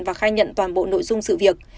và khai nhận toàn bộ nội dung sự việc